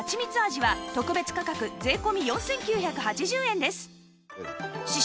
味は特別価格税込４９８０円です